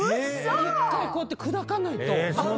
１回こうやって砕かないと。